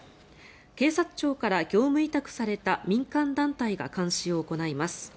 警察庁から業務委託された民間団体が監視を行います。